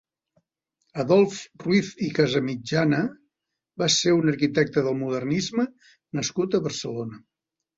Adolf Ruiz i Casamitjana va ser un arquitecte del modernisme nascut a Barcelona.